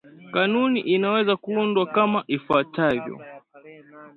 Kanuni inaweza kuundwa kama ifuatavyo